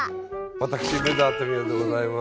私梅沢富美男でございます。